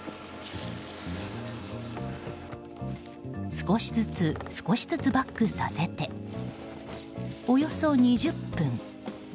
少しずつ少しずつバックさせておよそ２０分。